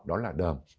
đó là đờm